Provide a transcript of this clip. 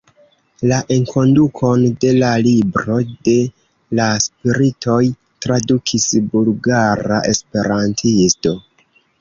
La enkondukon de La Libro de la Spiritoj tradukis bulgara esperantisto.